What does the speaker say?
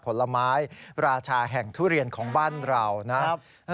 ผลไม้ราชาแห่งทุเรียนของบ้านเรานะครับ